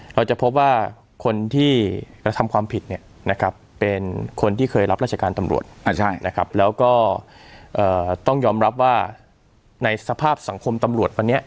เราจะพบว่าคนที่กระทำความผิดเนี่ยนะครับเป็นคนที่เคยรับราชการตำรวจแล้วก็ต้องยอมรับว่าในสภาพสังคมตำรวจวันนี้